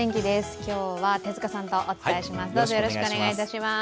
今日は手塚さんとお伝えします。